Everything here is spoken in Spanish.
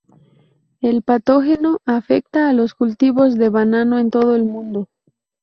El patógeno afecta a los cultivos de banano en todo el mundo.